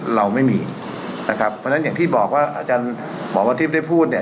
เราไม่มีนะครับเพราะฉะนั้นอย่างที่บอกว่าอาจารย์หมอวันทิพย์ได้พูดเนี่ย